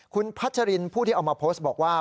คุณพัชรินผู้ที่เอามาโพสต์บอกว่า